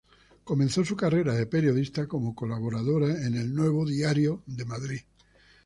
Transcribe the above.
Comenzó su carrera de periodista como colaboradora en el "Nuevo Diario" de Madrid.